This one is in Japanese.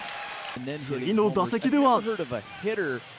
次の打席では。